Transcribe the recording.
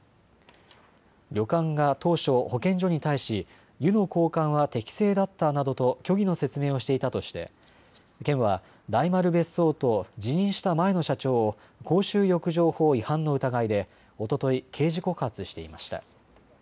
旅館が当初、保健所に対し湯の交換は適正だったなどと虚偽の説明をしていたとして県は大丸別荘と辞任した前の社長を公衆浴場法違反の疑いでおととい刑事告発していました。